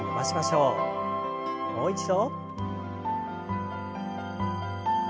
もう一度。